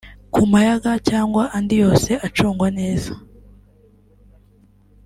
ku muyaga cyangwa andi yose acungwa neza